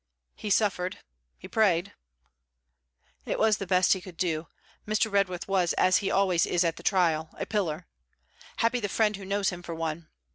'He suffered; he prayed.' 'It was the best he could do. Mr. Redworth was as he always is at the trial, a pillar. Happy the friend who knows him for one!